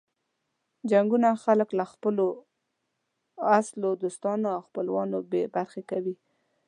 جنګونه خلک له خپلو اصلو دوستانو او خپلوانو بې برخې کوي.